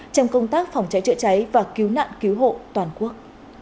trong công tác phòng cháy chữa cháy và cứu nạn cứu hộ toàn quốc